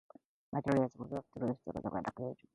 Materials, left in their natural state, appear aged.